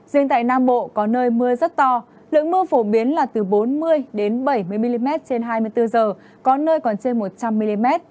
riêng tại nam bộ có nơi mưa rất to lượng mưa phổ biến là từ bốn mươi bảy mươi mm trên hai mươi bốn h có nơi còn trên một trăm linh mm